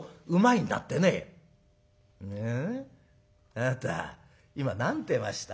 あなた今何てました？